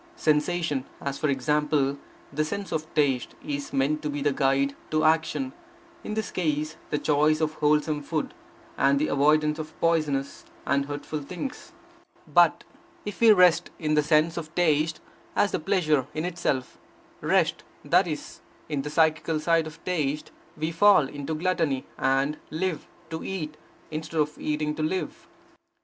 Sensation, as, for example, the sense of taste, is meant to be the guide to action; in this case, the choice of wholesome food, and the avoidance of poisonous and hurtful things. But if we rest in the sense of taste, as a pleasure in itself; rest, that is, in the psychical side of taste, we fall into gluttony, and live to eat, instead of eating to live.